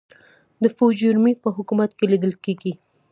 د فوجیموري په حکومت کې لیدل کېږي.